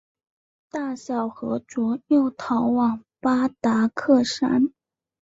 大小和卓又逃往巴达克山。